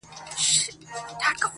چاته يې لمنه كي څـه رانــه وړل_